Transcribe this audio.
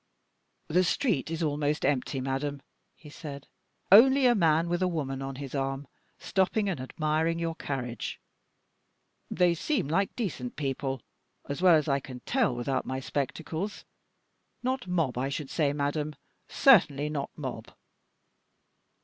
"The street is almost empty, madame," he said. "Only a man with a woman on his arm, stopping and admiring your carriage. They seem like decent people, as well as I can tell without my spectacles. Not mob, I should say, madame; certainly not mob!"